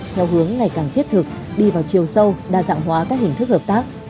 theo hướng ngày càng thiết thực đi vào chiều sâu đa dạng hóa các hình thức hợp tác